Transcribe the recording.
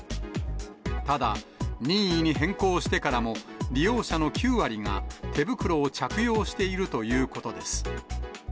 ただ、任意に変更してからも、利用者の９割が手袋を着用しているということです。